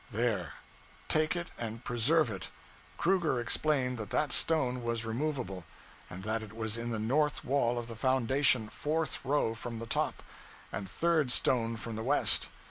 There take it, and preserve it. Kruger explained that that stone was removable; and that it was in the north wall of the foundation, fourth row from the top, and third stone from the west.